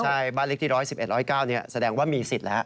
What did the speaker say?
ใช่บาริกที่ร้อย๑๑๐๙นี่แสดงว่ามีสิทธิ์แล้ว